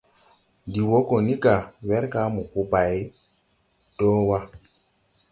Ndi wɔ go ni ga, werga mo po bay do wa.